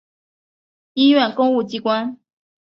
医院公务机关